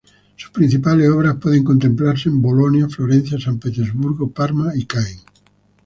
Sus principales obras pueden contemplarse en Bolonia, Florencia, San Petersburgo, Parma y Caen.